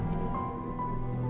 mas kesian sita